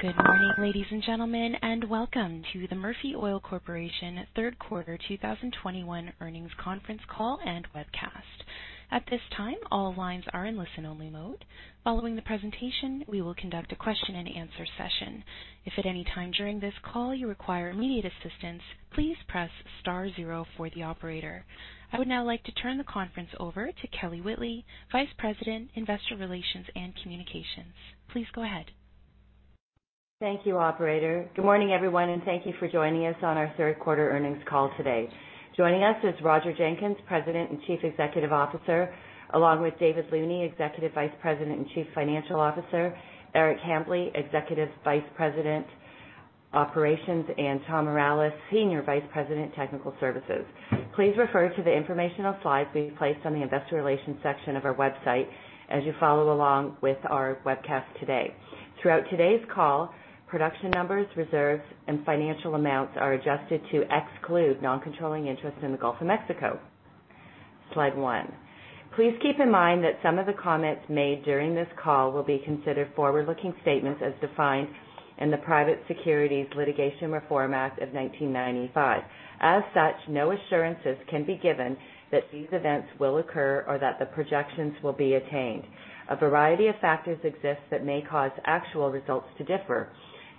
Good morning, ladies and gentlemen, and welcome to the Murphy Oil Corporation third quarter 2021 earnings conference call and webcast. At this time, all lines are in listen-only mode. Following the presentation, we will conduct a question-and-answer session. If at any time during this call you require immediate assistance, please press star zero for the operator. I would now like to turn the conference over to Kelly Whitley, Vice President, Investor Relations and Communications. Please go ahead. Thank you, operator. Good morning, everyone, and thank you for joining us on our third quarter earnings call today. Joining us is Roger Jenkins, President and Chief Executive Officer, along with David Looney, Executive Vice President and Chief Financial Officer, Eric Hambly, Executive Vice President, Operations, and Tom Mireles, Senior Vice President, Technical Services. Please refer to the informational slides we've placed on the investor relations section of our website as you follow along with our webcast today. Throughout today's call, production numbers, reserves, and financial amounts are adjusted to exclude non-controlling interests in the Gulf of Mexico. Slide one. Please keep in mind that some of the comments made during this call will be considered forward-looking statements as defined in the Private Securities Litigation Reform Act of 1995. As such, no assurances can be given that these events will occur or that the projections will be attained. A variety of factors exist that may cause actual results to differ.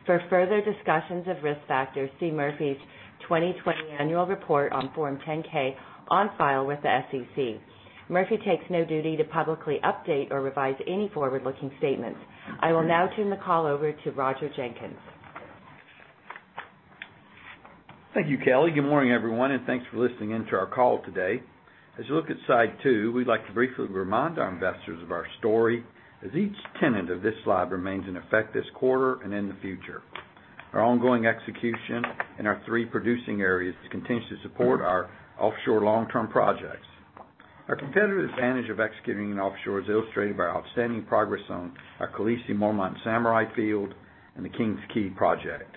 For further discussions of risk factors, see Murphy's 2020 annual report on Form 10-K on file with the SEC. Murphy takes no duty to publicly update or revise any forward-looking statements. I will now turn the call over to Roger Jenkins. Thank you, Kelly. Good morning, everyone, and thanks for listening in to our call today. As you look at slide two, we'd like to briefly remind our investors of our story as each tenet of this slide remains in effect this quarter and in the future. Our ongoing execution in our three producing areas continues to support our offshore long-term projects. Our competitive advantage of executing in offshore is illustrated by outstanding progress on our Khaleesi, Mormont, Samurai Field and the King's Quay project.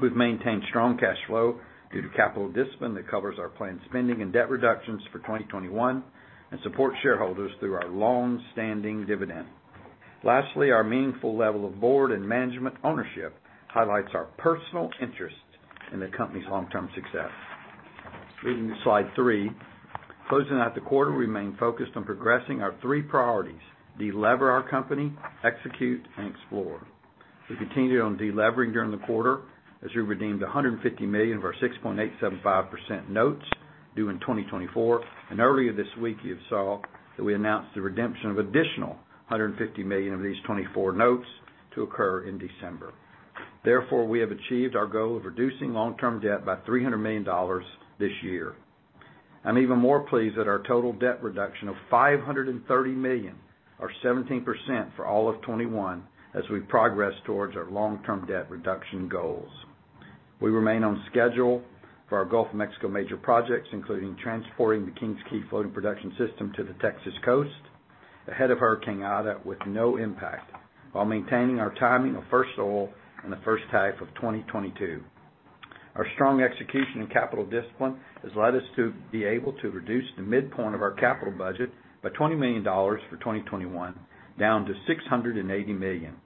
We've maintained strong cash flow due to capital discipline that covers our planned spending and debt reductions for 2021, and support shareholders through our long-standing dividend. Lastly, our meaningful level of board and management ownership highlights our personal interest in the company's long-term success. Moving to slide three. Closing out the quarter, we remain focused on progressing our three priorities: de-lever our company, execute, and explore. We continued on de-levering during the quarter as we redeemed $150 million of our 6.875% notes due in 2024. Earlier this week, you saw that we announced the redemption of additional $150 million of these 2024 notes to occur in December. Therefore, we have achieved our goal of reducing long-term debt by $300 million this year. I'm even more pleased at our total debt reduction of $530 million or 17% for all of 2021 as we progress towards our long-term debt reduction goals. We remain on schedule for our Gulf of Mexico major projects, including transporting the King's Quay floating production system to the Texas coast ahead of Hurricane Ida with no impact, while maintaining our timing of first oil in the first half of 2022. Our strong execution and capital discipline has led us to be able to reduce the midpoint of our capital budget by $20 million for 2021, down to $680 million.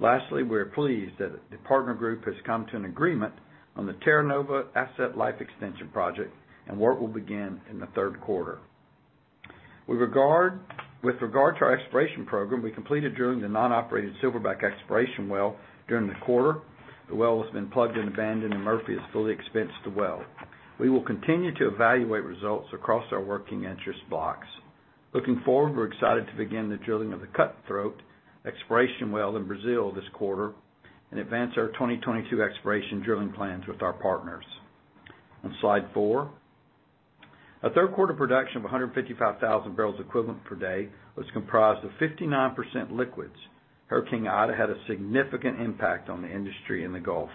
Lastly, we are pleased that the partner group has come to an agreement on the Terra Nova asset life extension project, and work will begin in the third quarter. With regard to our exploration program, we completed drilling the non-operated Silverback exploration well during the quarter. The well has been plugged and abandoned, and Murphy has fully expensed the well. We will continue to evaluate results across our working interest blocks. Looking forward, we're excited to begin the drilling of the Cutthroat exploration well in Brazil this quarter and advance our 2022 exploration drilling plans with our partners. On slide four, our third quarter production of 155,000 barrels equivalent per day was comprised of 59% liquids. Hurricane Ida had a significant impact on the industry in the Gulf.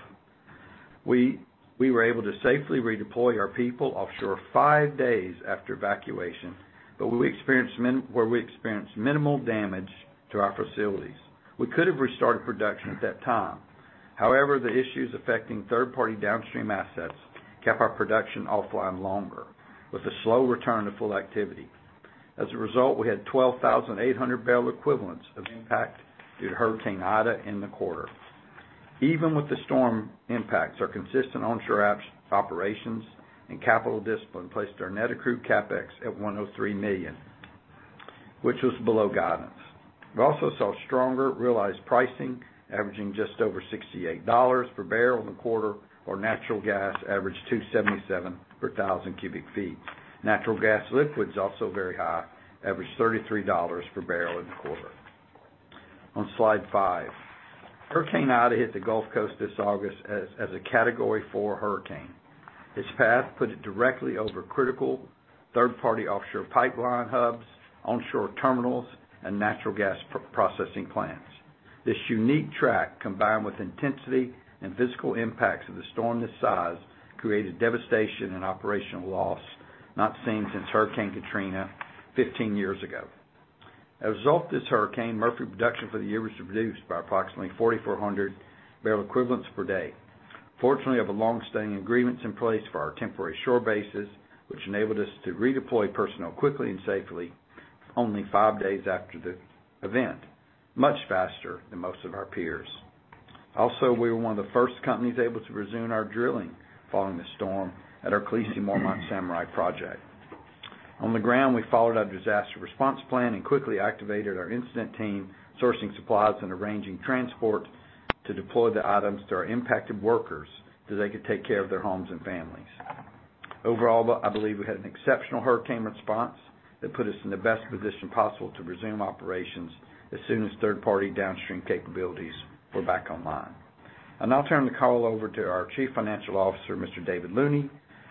We were able to safely redeploy our people offshore five days after evacuation, but we experienced minimal damage to our facilities. We could have restarted production at that time. However, the issues affecting third-party downstream assets kept our production offline longer, with a slow return to full activity. As a result, we had 12,800 barrel equivalents of impact due to Hurricane Ida in the quarter. Even with the storm impacts, our consistent onshore operations and capital discipline placed our net accrued CapEx at $103 million, which was below guidance. We also saw stronger realized pricing, averaging just over $68 per barrel in the quarter, while natural gas averaged $2.77 per thousand cubic feet. Natural gas liquids, also very high, averaged $33 per barrel in the quarter. On slide five. Hurricane Ida hit the Gulf Coast this August as a Category Four hurricane. Its path put it directly over critical third-party offshore pipeline hubs, onshore terminals, and natural gas processing plants. This unique track, combined with intensity and physical impacts of a storm this size, created devastation and operational loss not seen since Hurricane Katrina 15 years ago. As a result of this hurricane, Murphy production for the year was reduced by approximately 4,400 barrel equivalents per day. Fortunately, we have longstanding agreements in place for our temporary shore bases, which enabled us to redeploy personnel quickly and safely, only five days after the event, much faster than most of our peers. Also, we were one of the first companies able to resume our drilling following the storm at our Khaleesi Mormont Samurai project. On the ground, we followed our disaster response plan and quickly activated our incident team, sourcing supplies and arranging transport to deploy the items to our impacted workers so they could take care of their homes and families. Overall, though, I believe we had an exceptional hurricane response that put us in the best position possible to resume operations as soon as third-party downstream capabilities were back online. I'll now turn the call over to our Chief Financial Officer, Mr. David Looney,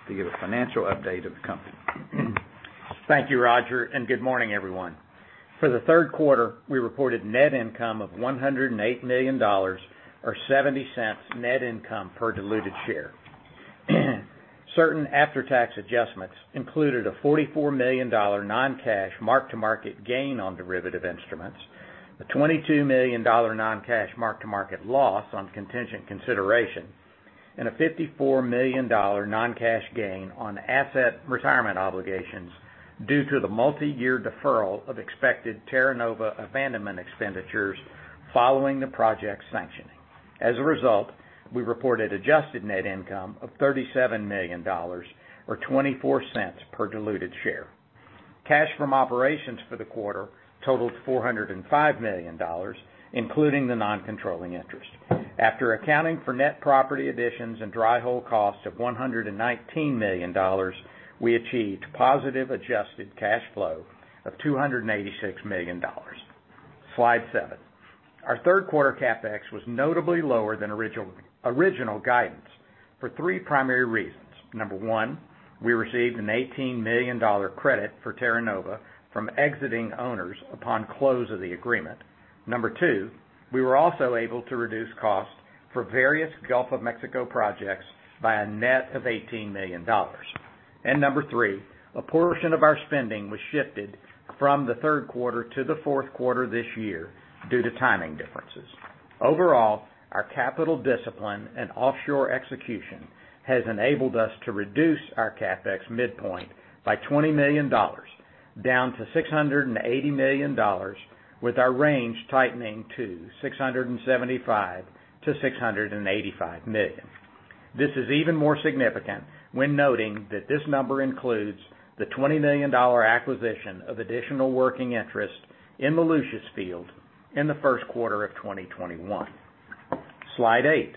to give a financial update of the company. Thank you, Roger, and good morning, everyone. For the third quarter, we reported net income of $108 million or $0.70 net income per diluted share. Certain after-tax adjustments included a $44 million dollar non-cash mark-to-market gain on derivative instruments, a $22 million dollar non-cash mark-to-market loss on contingent consideration, and a $54 million dollar non-cash gain on asset retirement obligations due to the multiyear deferral of expected Terra Nova abandonment expenditures following the project's sanctioning. As a result, we reported adjusted net income of $37 million or $0.24 per diluted share. Cash from operations for the quarter totaled $405 million, including the non-controlling interest. After accounting for net property additions and dry hole costs of $119 million, we achieved positive adjusted cash flow of $286 million. Slide seven. Our third quarter CapEx was notably lower than original guidance for three primary reasons. Number one, we received an $18 million credit for Terra Nova from exiting owners upon close of the agreement. Number two, we were also able to reduce costs for various Gulf of Mexico projects by a net of $18 million. Number three, a portion of our spending was shifted from the third quarter to the fourth quarter this year due to timing differences. Overall, our capital discipline and offshore execution has enabled us to reduce our CapEx midpoint by $20 million, down to $680 million, with our range tightening to $675 million-$685 million. This is even more significant when noting that this number includes the $20 million acquisition of additional working interest in the Lucius Field in the first quarter of 2021. Slide eight.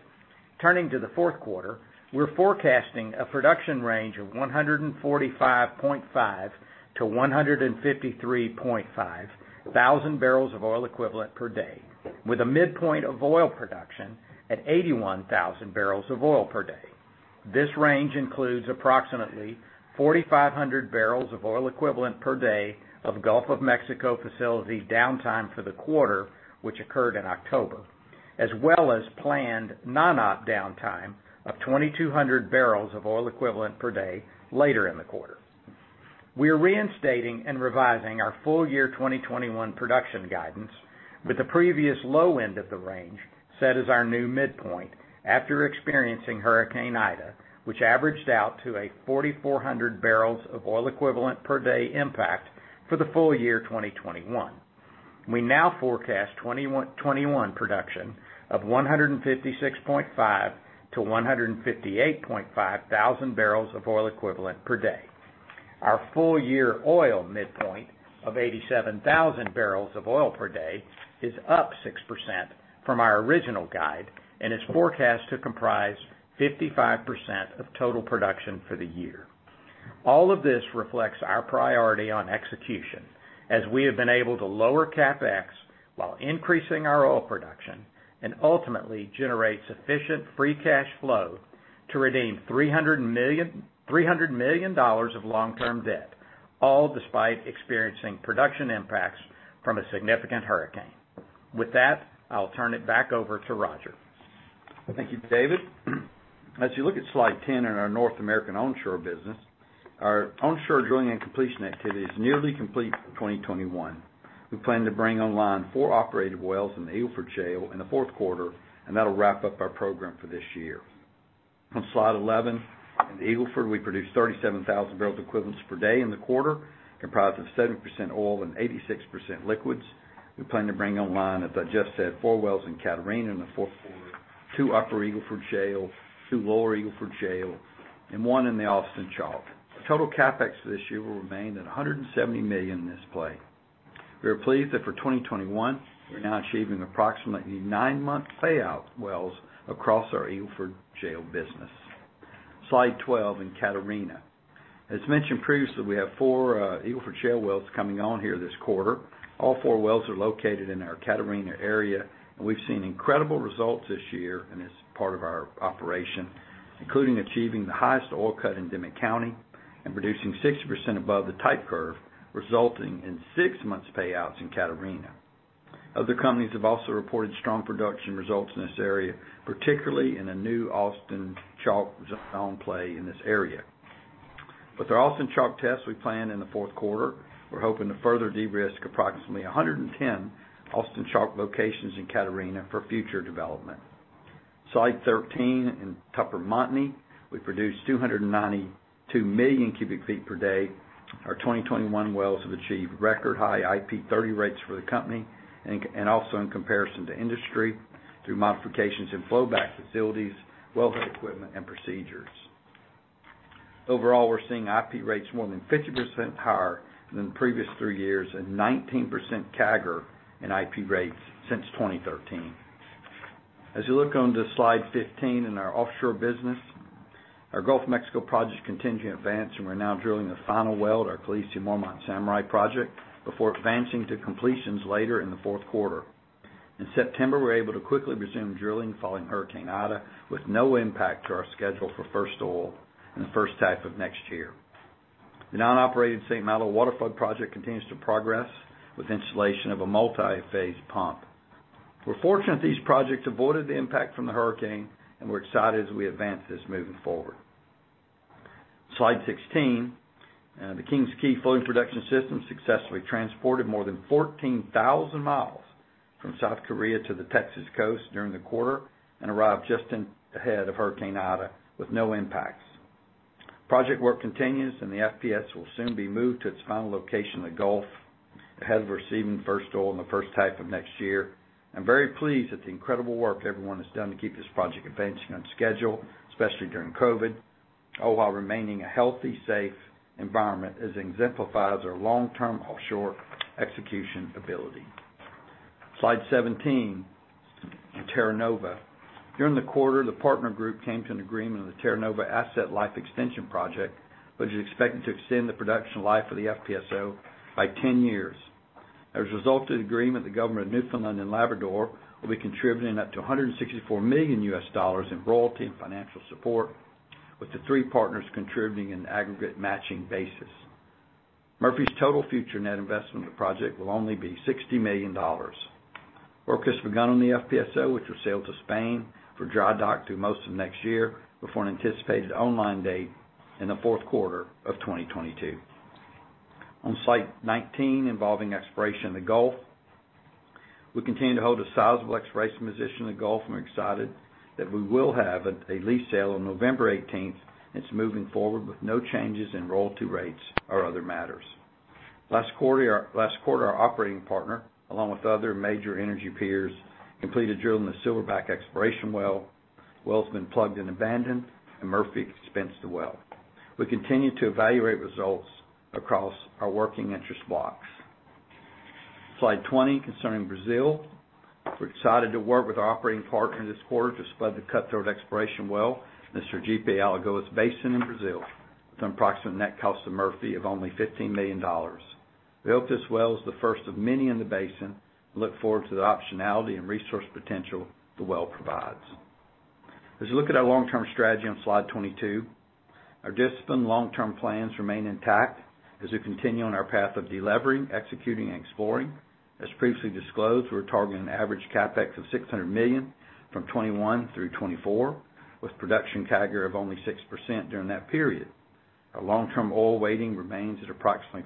Turning to the fourth quarter, we're forecasting a production range of 145,500-153,500 barrels of oil equivalent per day, with a midpoint of oil production at 81,000 barrels of oil per day. This range includes approximately 4,500 barrels of oil equivalent per day of Gulf of Mexico facility downtime for the quarter, which occurred in October, as well as planned non-op downtime of 2,200 barrels of oil equivalent per day later in the quarter. We are reinstating and revising our full-year 2021 production guidance with the previous low end of the range set as our new midpoint after experiencing Hurricane Ida, which averaged out to a 4,400 barrels of oil equivalent per day impact for the full year 2021. We now forecast 2021 production of 156,500-158,500 barrels of oil equivalent per day. Our full-year oil midpoint of 87,000 barrels of oil per day is up 6% from our original guide and is forecast to comprise 55% of total production for the year. All of this reflects our priority on execution as we have been able to lower CapEx while increasing our oil production and ultimately generate sufficient free cash flow to redeem $300 million of long-term debt, all despite experiencing production impacts from a significant hurricane. With that, I'll turn it back over to Roger. Thank you, David. As you look at slide 10 in our North American onshore business, our onshore drilling and completion activity is nearly complete for 2021. We plan to bring online four operated wells in the Eagle Ford Shale in the fourth quarter, and that'll wrap up our program for this year. On slide 11, in the Eagle Ford, we produced 37,000 barrels of oil equivalents per day in the quarter, comprised of 70% oil and 86% liquids. We plan to bring online, as I just said, four wells in Catarina in the fourth quarter, two Upper Eagle Ford Shale, two Lower Eagle Ford Shale, and one in the Austin Chalk. The total CapEx for this year will remain at $170 million in this play. We are pleased that for 2021, we're now achieving approximately nine-month payout wells across our Eagle Ford Shale business. Slide 12 in Catarina. As mentioned previously, we have four Eagle Ford Shale wells coming on here this quarter. All four wells are located in our Catarina area, and we've seen incredible results this year and as part of our operation, including achieving the highest oil cut in Dimmit County and producing 60% above the type curve, resulting in six months payouts in Catarina. Other companies have also reported strong production results in this area, particularly in the new Austin Chalk zone play in this area. With our Austin Chalk tests we plan in the fourth quarter, we're hoping to further de-risk approximately 110 Austin Chalk locations in Catarina for future development. Slide 13, in Tupper Montney, we produced 292 million cubic feet per day. Our 2021 wells have achieved record high IP-30 rates for the company, and also in comparison to industry through modifications in flow back facilities, wellhead equipment, and procedures. Overall, we're seeing IP rates more than 50% higher than the previous three years and 19% CAGR in IP rates since 2013. As you look on to slide 15 in our offshore business, our Gulf of Mexico projects continue to advance, and we're now drilling the final well at our Khaleesi/Mormont/Samurai project before advancing to completions later in the fourth quarter. In September, we were able to quickly resume drilling following Hurricane Ida with no impact to our schedule for first oil and the first half of next year. The non-operated St. Malo water flood project continues to progress with installation of a multi-phase pump. We're fortunate these projects avoided the impact from the hurricane, and we're excited as we advance this moving forward. Slide 16, the King's Quay Floating Production System successfully transported more than 14,000 mi from South Korea to the Texas coast during the quarter and arrived just ahead of Hurricane Ida with no impacts. Project work continues, and the FPS will soon be moved to its final location in the Gulf ahead of receiving first oil in the first half of next year. I'm very pleased with the incredible work everyone has done to keep this project advancing on schedule, especially during COVID, all while remaining a healthy, safe environment as it exemplifies our long-term offshore execution ability. Slide 17, Terra Nova. During the quarter, the partner group came to an agreement on the Terra Nova asset life extension project, which is expected to extend the production life of the FPSO by 10 years. As a result of the agreement, the government of Newfoundland and Labrador will be contributing up to $164 million in royalty and financial support, with the three partners contributing an aggregate matching basis. Murphy's total future net investment in the project will only be $60 million. Work has begun on the FPSO, which will sail to Spain for dry dock through most of next year before an anticipated online date in the fourth quarter of 2022. On slide 19, involving exploration in the Gulf, we continue to hold a sizable exploration position in the Gulf and are excited that we will have a lease sale on November 18, and it's moving forward with no changes in royalty rates or other matters. Last quarter, our operating partner, along with other major energy peers, completed drilling the Silverback exploration well. Well's been plugged and abandoned, and Murphy expensed the well. We continue to evaluate results across our working interest blocks. Slide 20, concerning Brazil. We're excited to work with our operating partner this quarter to spud the Cutthroat exploration well in the Sergipe-Alagoas Basin in Brazil with an approximate net cost to Murphy of only $15 million. We hope this well is the first of many in the basin and look forward to the optionality and resource potential the well provides. As you look at our long-term strategy on slide 22, our disciplined long-term plans remain intact as we continue on our path of delevering, executing, and exploring. As previously disclosed, we're targeting an average CapEx of $600 million from 2021 through 2024, with production CAGR of only 6% during that period. Our long-term oil weighting remains at approximately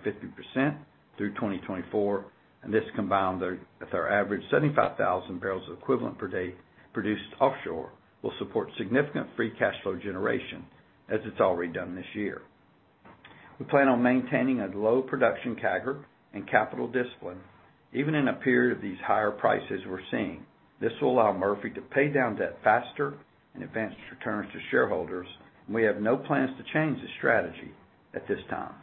50% through 2024, and this combined with our average 75,000 barrels equivalent per day produced offshore will support significant free cash flow generation as it's already done this year. We plan on maintaining a low production CAGR and capital discipline, even in a period of these higher prices we're seeing. This will allow Murphy to pay down debt faster and advance returns to shareholders, and we have no plans to change the strategy at this time.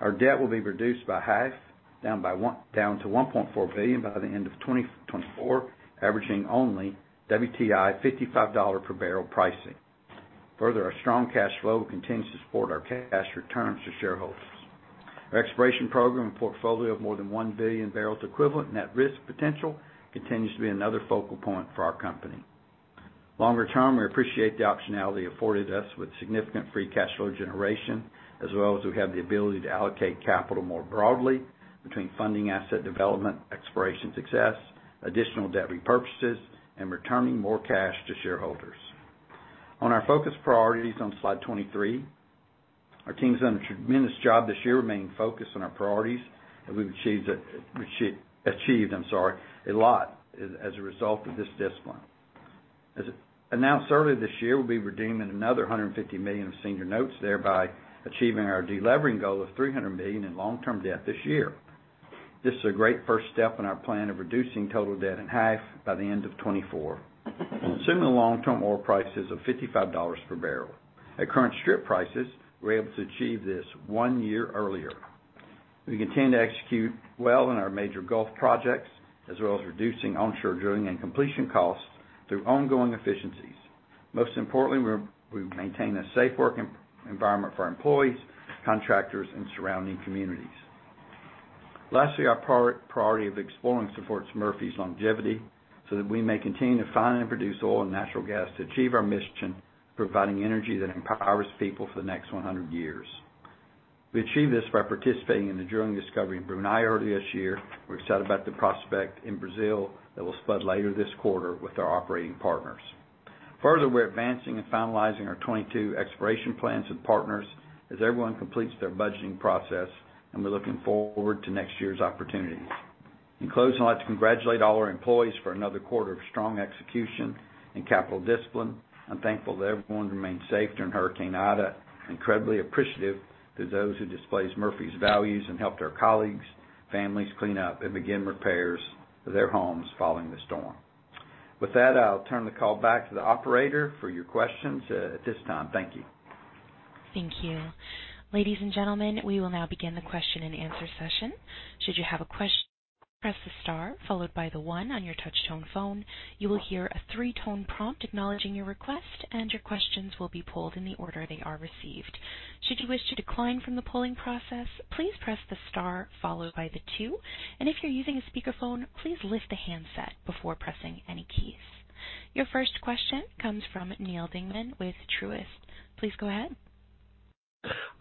Our debt will be reduced by half, down to $1.4 billion by the end of 2024, averaging only WTI $55 per barrel pricing. Further, our strong cash flow continues to support our cash returns to shareholders. Our exploration program and portfolio of more than one billion barrels equivalent net risk potential continues to be another focal point for our company. Longer term, we appreciate the optionality afforded us with significant free cash flow generation, as well as we have the ability to allocate capital more broadly between funding asset development, exploration success, additional debt repurchases, and returning more cash to shareholders. On our focus priorities on slide 23, our team has done a tremendous job this year remaining focused on our priorities, and we've achieved, I'm sorry, a lot as a result of this discipline. As announced earlier this year, we'll be redeeming another $150 million of senior notes, thereby achieving our delevering goal of $300 million in long-term debt this year. This is a great first step in our plan of reducing total debt in half by the end of 2024, assuming the long-term oil prices of $55 per barrel. At current strip prices, we're able to achieve this one year earlier. We continue to execute well in our major Gulf projects, as well as reducing onshore drilling and completion costs through ongoing efficiencies. Most importantly, we've maintained a safe working environment for our employees, contractors, and surrounding communities. Lastly, our priority of exploring supports Murphy's longevity so that we may continue to find and produce oil and natural gas to achieve our mission, providing energy that empowers people for the next 100 years. We achieve this by participating in the drilling discovery in Brunei earlier this year. We're excited about the prospect in Brazil that will spud later this quarter with our operating partners. Further, we're advancing and finalizing our 22 exploration plans with partners as everyone completes their budgeting process, and we're looking forward to next year's opportunities. In closing, I'd like to congratulate all our employees for another quarter of strong execution and capital discipline. I'm thankful that everyone remained safe during Hurricane Ida. Incredibly appreciative to those who displayed Murphy's values and helped our colleagues' families clean up and begin repairs to their homes following the storm. With that, I'll turn the call back to the operator for your questions at this time. Thank you. Thank you. Ladies and gentlemen, we will now begin the question-and-answer session. Should you have a question, press the star followed by the one on your touchtone phone. You will hear a three-tone prompt acknowledging your request, and your questions will be pulled in the order they are received. Should you wish to decline from the polling process, please press the star followed by the two. If you're using a speakerphone, please lift the handset before pressing any keys. Your first question comes from Neal Dingmann with Truist. Please go ahead.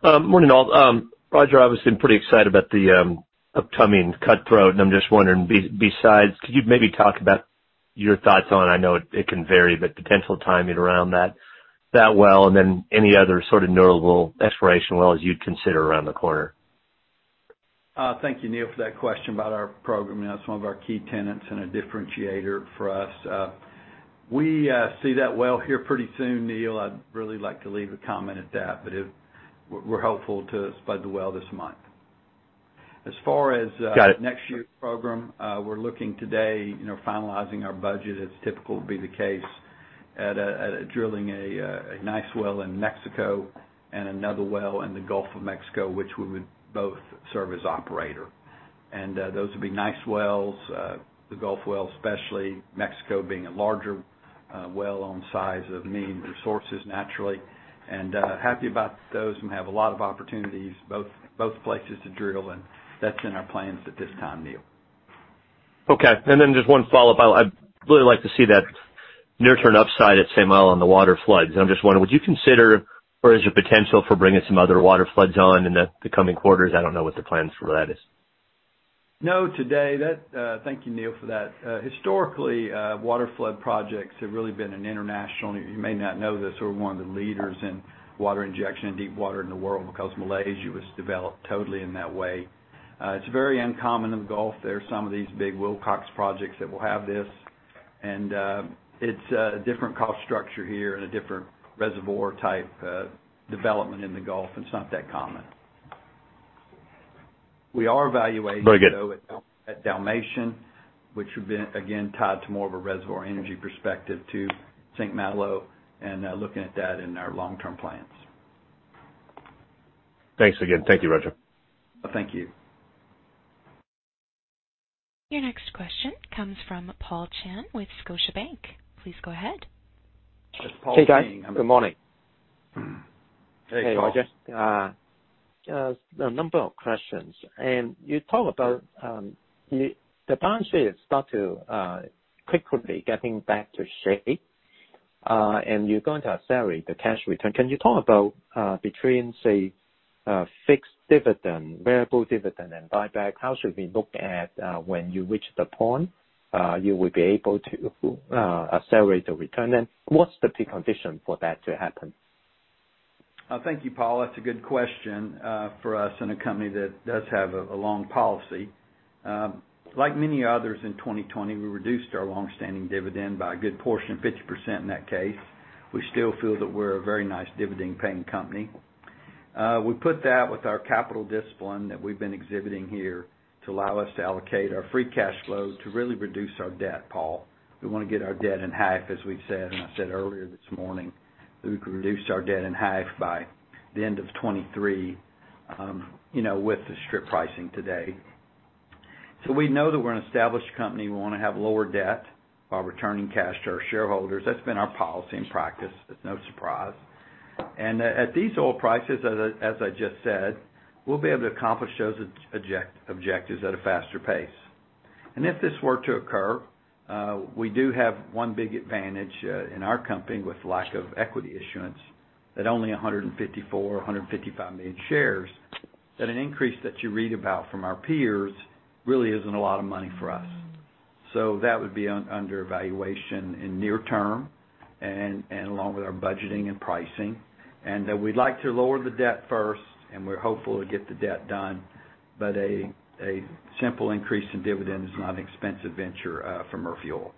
Morning all. Roger, I was pretty excited about the upcoming Cutthroat, and I'm just wondering, besides, could you maybe talk about your thoughts on it. I know it can vary, but potential timing around that well, and then any other sort of notable exploration wells you'd consider around the corner? Thank you, Neal, for that question about our program. That's one of our key tenets and a differentiator for us. We see that well here pretty soon, Neal. I'd really like to leave it at that. We're hopeful to spud the well this month. As far as- Got it. Next year's program, we're looking today, you know, finalizing our budget, as typical would be the case, at drilling a nice well in Mexico and another well in the Gulf of Mexico, which we would both serve as operator. Those would be nice wells, the Gulf well especially, Mexico being a larger well in size, meaning resources naturally. Happy about those and have a lot of opportunities both places to drill, and that's in our plans at this time, Neal. Okay. Just one follow-up. I'd really like to see that near-term upside at St. Malo on the waterfloods, and I'm just wondering, would you consider or is there potential for bringing some other waterfloods on in the coming quarters? I don't know what the plans for that is. No, today. Thank you, Neal, for that. Historically, waterflood projects have really been an international, and you may not know this, we're one of the leaders in water injection in deep water in the world because Malaysia was developed totally in that way. It's very uncommon in the Gulf. There are some of these big Wilcox projects that will have this, and it's a different cost structure here and a different reservoir type development in the Gulf. It's not that common. We are evaluating- Very good. At Dalmatian, which would be, again, tied to more of a reservoir energy perspective to St. Malo and looking at that in our long-term plans. Thanks again. Thank you, Roger. Thank you. Your next question comes from Paul Cheng with Scotiabank. Please go ahead. Paul Cheng. Hey, guys. Good morning. Hey, Paul. Hey, Roger. Just a number of questions. You talked about the balance sheet has started to quickly getting back to shape, and you're going to accelerate the cash return. Can you talk about, between, say, a fixed dividend, variable dividend, and buyback, how should we look at when you reach the point you will be able to accelerate the return? What's the precondition for that to happen? Thank you, Paul. That's a good question for us in a company that does have a long policy. Like many others in 2020, we reduced our longstanding dividend by a good portion, 50% in that case. We still feel that we're a very nice dividend-paying company. We put that with our capital discipline that we've been exhibiting here to allow us to allocate our free cash flow to really reduce our debt, Paul. We wanna get our debt in half, as we've said, and I said earlier this morning that we could reduce our debt in half by the end of 2023 with the strip pricing today. We know that we're an established company. We wanna have lower debt while returning cash to our shareholders. That's been our policy and practice. It's no surprise. At these oil prices, as I just said, we'll be able to accomplish those objectives at a faster pace. If this were to occur, we do have one big advantage in our company with lack of equity issuance, at only 154 million, 155 million shares, that an increase that you read about from our peers really isn't a lot of money for us. That would be under evaluation in near term and along with our budgeting and pricing. We'd like to lower the debt first, and we're hopeful to get the debt done, but a simple increase in dividend is not an expensive venture for Murphy Oil.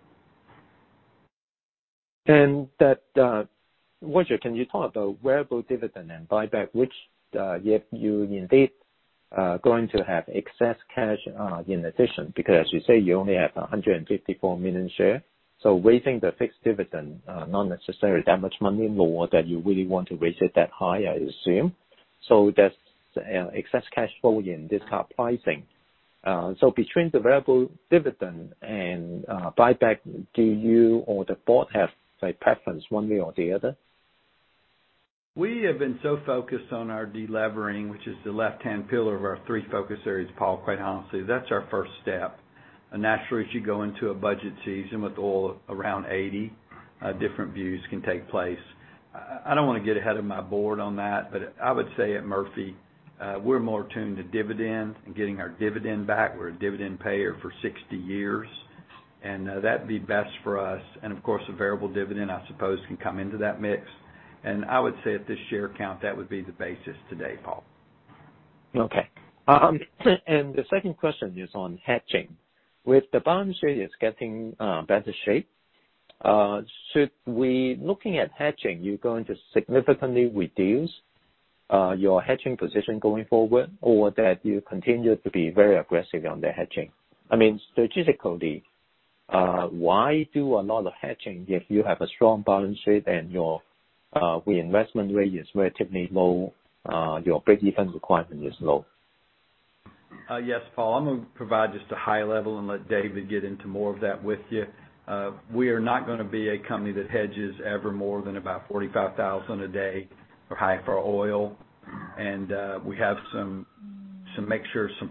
Roger, can you talk about variable dividend and buyback, which, if you indeed are going to have excess cash, in addition? Because, as you say, you only have 154 million shares. Raising the fixed dividend, not necessarily that much money more that you really want to raise it that high, I assume. That's excess cash flow in discounted pricing. Between the variable dividend and buyback, do you or the board have, say, preference one way or the other? We have been so focused on our delevering, which is the left-hand pillar of our three focus areas, Paul, quite honestly. That's our first step. Naturally, as you go into a budget season with oil around $80, different views can take place. I don't wanna get ahead of my board on that, but I would say at Murphy, we're more attuned to dividend and getting our dividend back. We're a dividend payer for 60 years. That'd be best for us. Of course, a variable dividend, I suppose, can come into that mix. I would say at this share count, that would be the basis today, Paul. Okay. The second question is on hedging. With the balance sheet is getting better shape, looking at hedging, you're going to significantly reduce your hedging position going forward, or that you continue to be very aggressive on the hedging? I mean, strategically, why do a lot of hedging if you have a strong balance sheet and your reinvestment rate is relatively low, your break-even requirement is low? Yes, Paul. I'm gonna provide just a high level and let David get into more of that with you. We are not gonna be a company that hedges ever more than about 45,000 a day for oil. We have some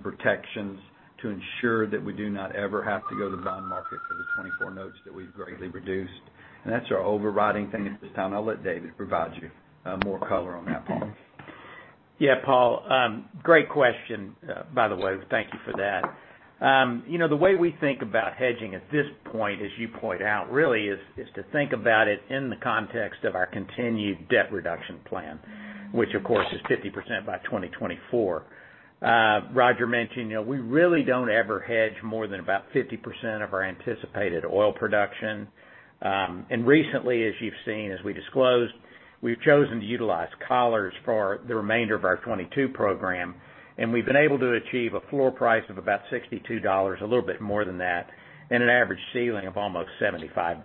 protections to make sure that we do not ever have to go to bond market for the 2024 notes that we've greatly reduced. That's our overriding thing at this time. I'll let David provide you more color on that, Paul. Yeah, Paul. Great question, by the way. Thank you for that. You know, the way we think about hedging at this point, as you point out, really is to think about it in the context of our continued debt reduction plan, which of course is 50% by 2024. Roger mentioned, you know, we really don't ever hedge more than about 50% of our anticipated oil production. Recently, as you've seen, as we disclosed, we've chosen to utilize collars for the remainder of our 2022 program, and we've been able to achieve a floor price of about $62, a little bit more than that, and an average ceiling of almost $75.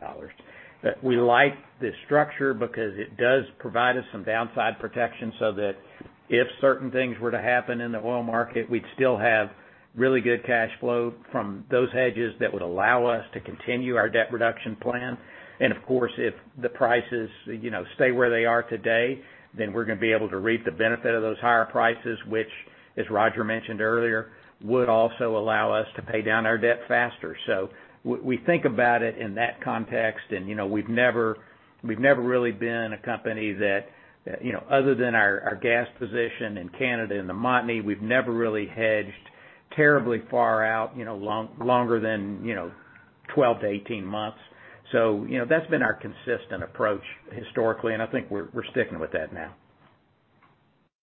We like this structure because it does provide us some downside protection so that if certain things were to happen in the oil market, we'd still have really good cash flow from those hedges that would allow us to continue our debt reduction plan. Of course, if the prices, you know, stay where they are today, then we're gonna be able to reap the benefit of those higher prices, which as Roger mentioned earlier, would also allow us to pay down our debt faster. We think about it in that context. You know, we've never really been a company that, you know, other than our gas position in Canada and the Montney, we've never really hedged terribly far out, you know, longer than, you know, 12-18 months. You know, that's been our consistent approach historically, and I think we're sticking with that now.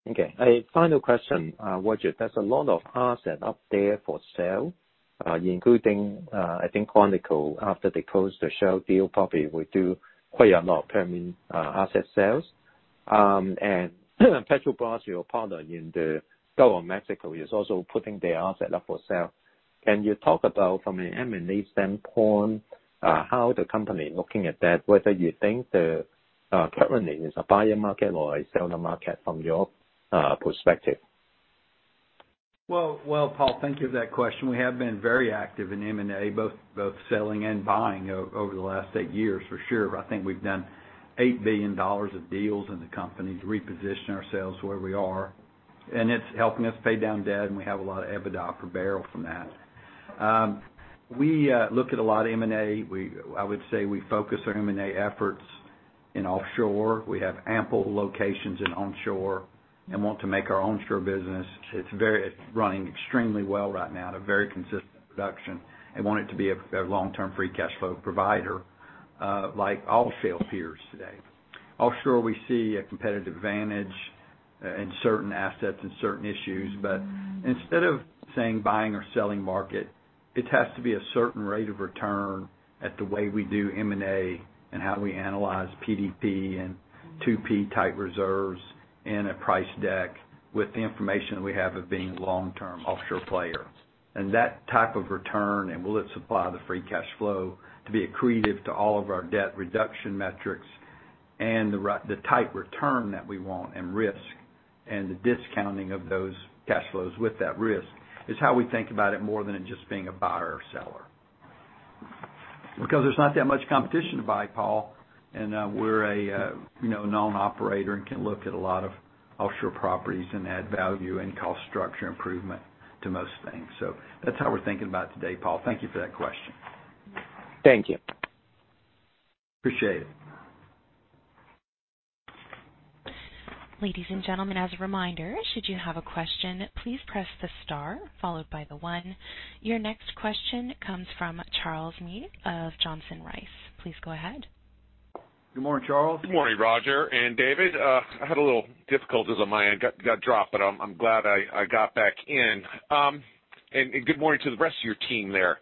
Okay. A final question, Roger. There's a lot of assets up there for sale, including, I think Conoco, after they close the Shell deal, probably will do quite a lot of Permian, asset sales. Petrobras, your partner in the Gulf of Mexico, is also putting their asset up for sale. Can you talk about from an M&A standpoint, how the company looking at that, whether you think the currently is a buyer market or a seller market from your perspective? Well, Paul, thank you for that question. We have been very active in M&A, both selling and buying over the last eight years, for sure. I think we've done $8 billion of deals in the company to reposition ourselves where we are, and it's helping us pay down debt, and we have a lot of EBITDA per barrel from that. We look at a lot of M&A. I would say we focus our M&A efforts in offshore. We have ample locations in onshore and want to make our onshore business. It's running extremely well right now at a very consistent production. I want it to be a long-term free cash flow provider, like all shale peers today. Offshore, we see a competitive advantage in certain assets and certain areas. Instead of saying buying or selling market, it has to be a certain rate of return at the way we do M&A and how we analyze PDP and 2P type reserves and a price deck with the information we have of being long-term offshore player. That type of return, and will it supply the free cash flow to be accretive to all of our debt reduction metrics and the type return that we want and risk and the discounting of those cash flows with that risk, is how we think about it more than it just being a buyer or seller. Because there's not that much competition to buy, Paul, and, we're a, you know, known operator and can look at a lot of offshore properties and add value and cost structure improvement to most things. That's how we're thinking about today, Paul. Thank you for that question. Thank you. Appreciate it. Ladies and gentlemen, as a reminder, should you have a question, please press the star followed by the one. Your next question comes from Charles Meade of Johnson Rice. Please go ahead. Good morning, Charles. Good morning, Roger and David. I had a little difficulties on my end. Got dropped, but I'm glad I got back in. And good morning to the rest of your team there.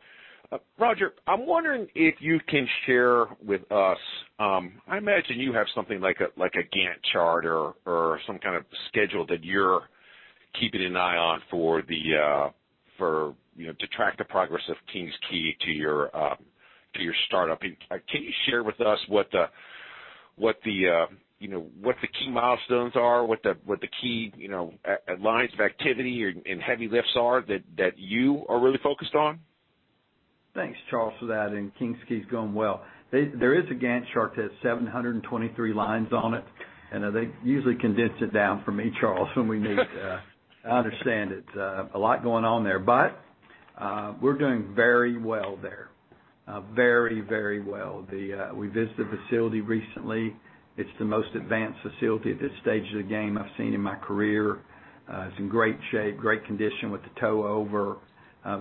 Roger, I'm wondering if you can share with us. I imagine you have something like a Gantt chart or some kind of schedule that you're keeping an eye on for, you know, to track the progress of King's Quay to your startup. Can you share with us what the key milestones are? What the key lines of activity and heavy lifts are that you are really focused on? Thanks, Charles, for that, and Kings Quay is going well. There is a Gantt chart that has 723 lines on it, and they usually condense it down for me, Charles, when we meet. I understand it. A lot going on there, but we're doing very well there. Very, very well. We visited the facility recently. It's the most advanced facility at this stage of the game I've seen in my career. It's in great shape, great condition with the tow over,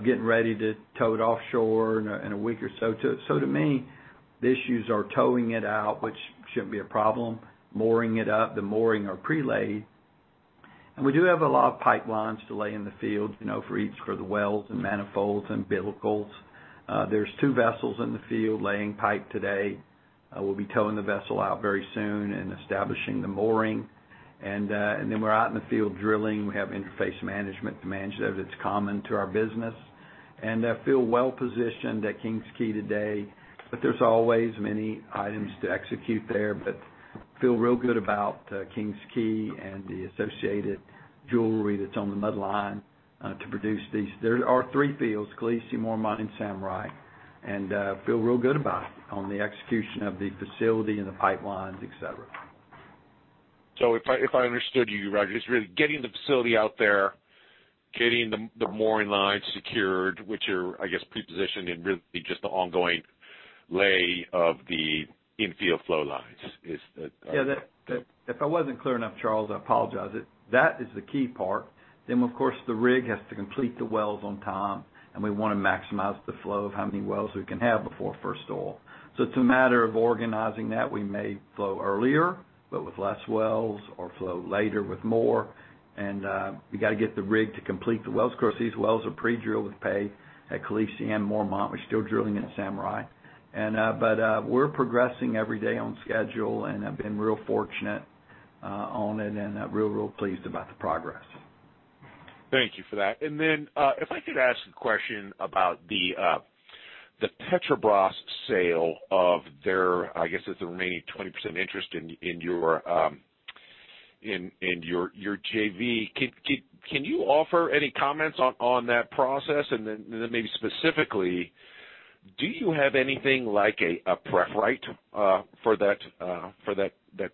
getting ready to tow it offshore in a week or so. So to me, the issues are towing it out, which shouldn't be a problem, mooring it up, the mooring or prelay. We do have a lot of pipelines to lay in the field, you know, for each, for the wells and manifolds and umbilicals. There's two vessels in the field laying pipe today. We'll be towing the vessel out very soon and establishing the mooring. Then we're out in the field drilling. We have interface management to manage that. It's common to our business. Feel well positioned at King's Quay today, but there's always many items to execute there, but feel real good about King's Quay and the associated jewelry that's on the mudline to produce these. There are three fields, Khaleesi, Mormont, and Samurai. Feel real good about on the execution of the facility and the pipelines, et cetera. If I understood you, Roger, it's really getting the facility out there, getting the mooring lines secured, which are, I guess, prepositioned, and really just the ongoing lay of the infield flow lines is the. Yeah. If I wasn't clear enough, Charles, I apologize. That is the key part. Of course, the rig has to complete the wells on time, and we wanna maximize the flow of how many wells we can have before first oil. It's a matter of organizing that. We may flow earlier, but with less wells or flow later with more. We gotta get the rig to complete the wells. Of course, these wells are pre-drilled with pay at Khaleesi and Mormont. We're still drilling in Samurai. We're progressing every day on schedule, and I've been real fortunate on it and real pleased about the progress. Thank you for that. If I could ask a question about the Petrobras sale of their, I guess, it's the remaining 20% interest in your JV. Can you offer any comments on that process? Maybe specifically, do you have anything like a pref right for that 20%?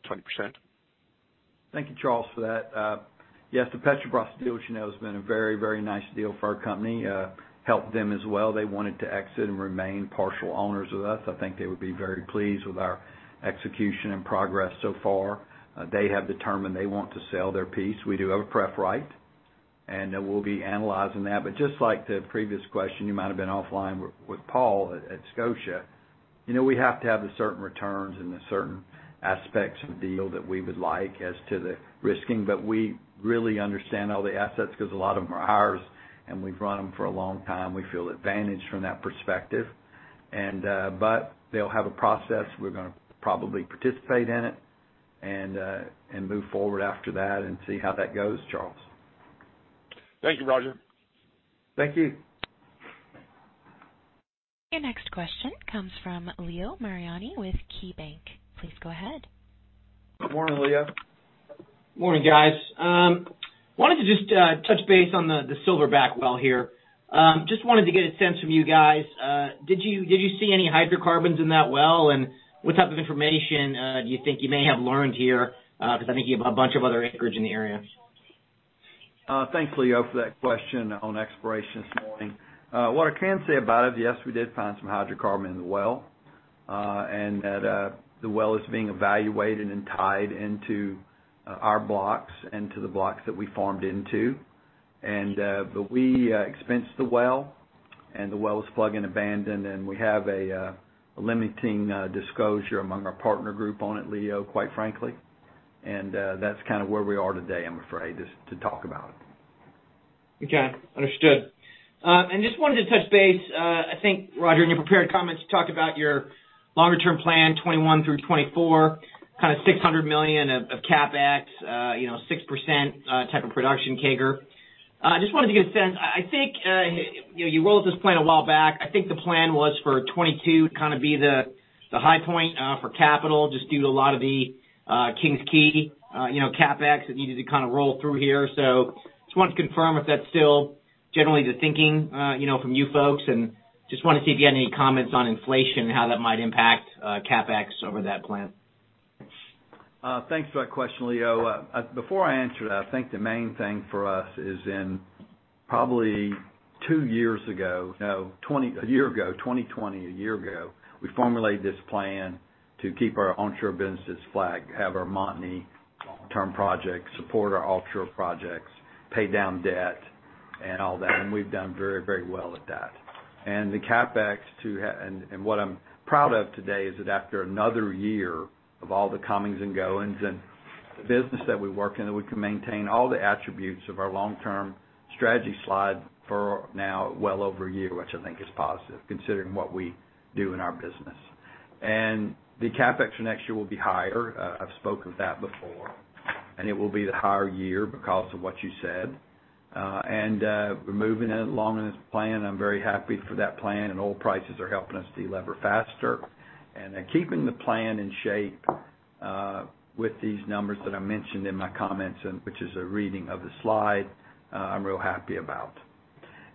Thank you, Charles, for that. Yes, the Petrobras deal, which you know, has been a very, very nice deal for our company, helped them as well. They wanted to exit and remain partial owners with us. I think they would be very pleased with our execution and progress so far. They have determined they want to sell their piece. We do have a pref right, and we'll be analyzing that. But just like the previous question, you might have been offline with Paul at Scotiabank, you know, we have to have the certain returns and the certain aspects of the deal that we would like as to the risking. But we really understand all the assets 'cause a lot of them are ours, and we've run them for a long time. We feel advantaged from that perspective. They'll have a process. We're gonna probably participate in it and move forward after that and see how that goes, Charles. Thank you, Roger. Thank you. Your next question comes from Leo Mariani with KeyBanc. Please go ahead. Good morning, Leo. Morning, guys. Wanted to just touch base on the Silverback well here. Just wanted to get a sense from you guys, did you see any hydrocarbons in that well? What type of information do you think you may have learned here? 'Cause I think you have a bunch of other acreage in the area. Thanks, Leo, for that question on exploration this morning. What I can say about it, yes, we did find some hydrocarbon in the well, and that the well is being evaluated and tied into our blocks that we farmed into. We expensed the well, and the well is plugged and abandoned, and we have a limited disclosure among our partner group on it, Leo, quite frankly. That's kinda where we are today, I'm afraid, is to talk about it. Okay. Understood. Just wanted to touch base, I think, Roger, in your prepared comments, you talked about your longer term plan, 2021 through 2024, kind of $600 million of CapEx, you know, 6% type of production CAGR. Just wanted to get a sense. I think, you know, you rolled this plan a while back. I think the plan was for 2022 to kinda be the high point for capital, just due to a lot of the King's Quay, you know, CapEx that needed to kinda roll through here. Just wanted to confirm if that's still generally the thinking, you know, from you folks. Just wanna see if you had any comments on inflation and how that might impact CapEx over that plan. Thanks for that question, Leo. Before I answer that, I think the main thing for us is probably a year ago, 2020, we formulated this plan to keep our onshore businesses flat, have our Montney term project, support our offshore projects, pay down debt and all that, and we've done very, very well at that. What I'm proud of today is that after another year of all the comings and goings and the business that we work in, that we can maintain all the attributes of our long-term strategy slide for now well over a year, which I think is positive, considering what we do in our business. The CapEx for next year will be higher. I've spoken to that before. It will be the higher year because of what you said. We're moving along in this plan. I'm very happy for that plan, and oil prices are helping us delever faster. Keeping the plan in shape with these numbers that I mentioned in my comments and which is a reading of the slide, I'm real happy about.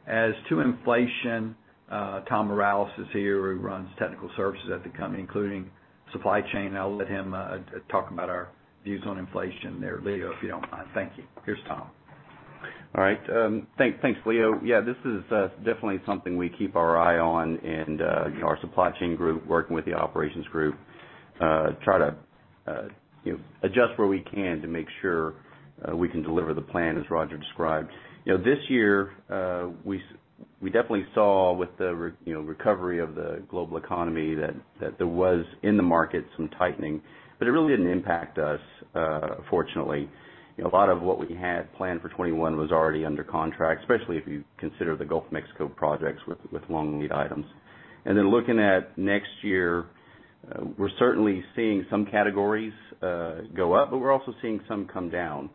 As to inflation, Tom Mireles is here, who runs Technical Services at the company, including supply chain. I'll let him talk about our views on inflation there, Leo, if you don't mind. Thank you. Here's Tom. All right. Thanks, Leo. Yeah, this is definitely something we keep our eye on and our supply chain group working with the operations group try to you know adjust where we can to make sure we can deliver the plan as Roger described. You know, this year we definitely saw with the recovery of the global economy that there was in the market some tightening, but it really didn't impact us fortunately. You know, a lot of what we had planned for 2021 was already under contract, especially if you consider the Gulf of Mexico projects with long lead items. Then looking at next year, we're certainly seeing some categories go up, but we're also seeing some come down.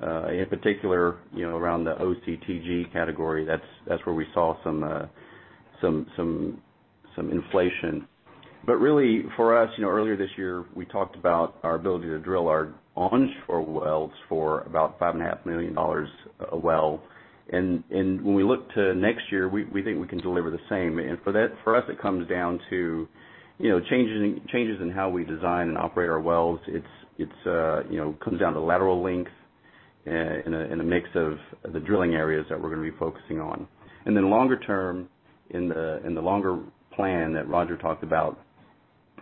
In particular, you know, around the OCTG category. That's where we saw some inflation. Really for us, you know, earlier this year, we talked about our ability to drill our onshore wells for about $5.5 million a well. When we look to next year, we think we can deliver the same. For us, it comes down to, you know, changes in how we design and operate our wells. It comes down to lateral length in a mix of the drilling areas that we're gonna be focusing on. Then longer term, in the longer plan that Roger talked about,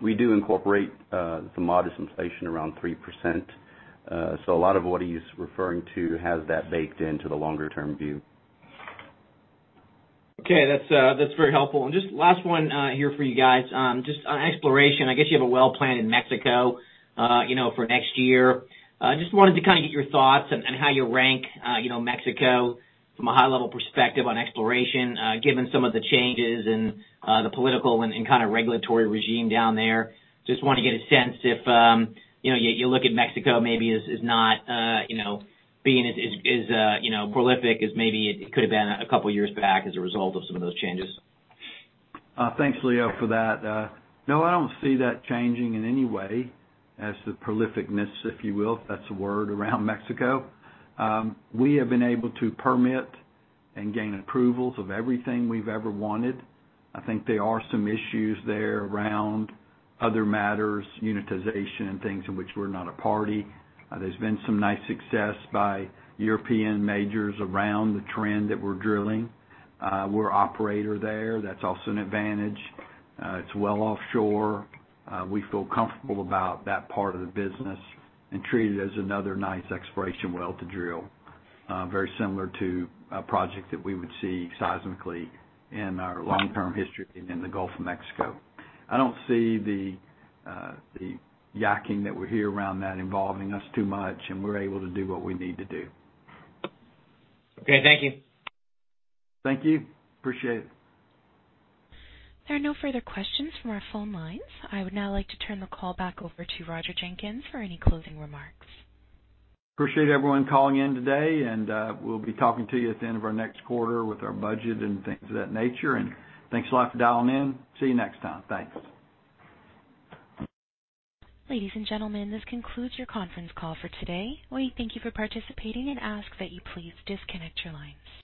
we do incorporate some modest inflation around 3%. A lot of what he's referring to has that baked into the longer term view. Okay. That's very helpful. Just last one here for you guys, just on exploration. I guess you have a well plan in Mexico, you know, for next year. Just wanted to kind of get your thoughts and how you rank, you know, Mexico from a high level perspective on exploration, given some of the changes and the political and kind of regulatory regime down there. Just wanna get a sense if, you know, you look at Mexico maybe as not, you know, being as prolific as maybe it could have been a couple years back as a result of some of those changes. Thanks, Leo, for that. No, I don't see that changing in any way as the prolific-ness, if you will, if that's a word, around Mexico. We have been able to permit and gain approvals of everything we've ever wanted. I think there are some issues there around other matters, unitization and things in which we're not a party. There's been some nice success by European majors around the trend that we're drilling. We're operator there. That's also an advantage. It's well offshore. We feel comfortable about that part of the business and treat it as another nice exploration well to drill, very similar to a project that we would see seismically in our long-term history in the Gulf of Mexico. I don't see the yakking that we hear around that involving us too much, and we're able to do what we need to do. Okay. Thank you. Thank you. Appreciate it. There are no further questions from our phone lines. I would now like to turn the call back over to Roger Jenkins for any closing remarks. Appreciate everyone calling in today, and we'll be talking to you at the end of our next quarter with our budget and things of that nature. Thanks a lot for dialing in. See you next time. Thanks. Ladies and gentlemen, this concludes your conference call for today. We thank you for participating and ask that you please disconnect your lines.